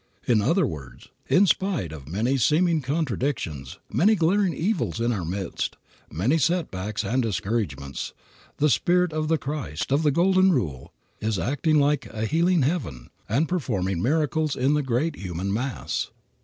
In other words, in spite of many seeming contradictions, many glaring evils in our midst, many setbacks and discouragements, the spirit of the Christ, of the Golden Rule, is acting like a healing leaven and performing miracles in the great human mass.